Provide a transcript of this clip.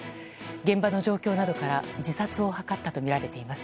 現場の状況などから自殺を図ったとみられています。